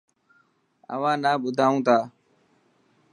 اوهان نا ٻڌائون تا.